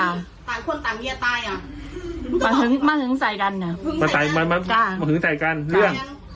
ต่างคนต่างเกียรตายอ่ะไม่ถึงมาหึงใส่กันเนี่ย